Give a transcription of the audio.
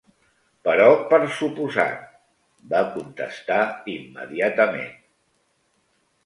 "Però per suposat," va contestar immediatament.